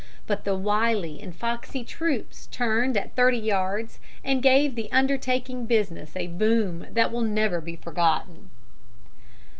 But the wily and foxy troops turned at thirty yards and gave the undertaking business a boom that will never be forgotten.